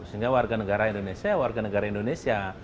sehingga warga negara indonesia warga negara indonesia